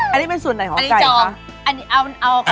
อันนี้เป็นส่วนไหนของไก่คะ